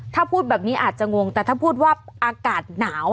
ถ้าพูดแบบนี้อาจจะงงแต่ถ้าพูดว่าอากาศหนาว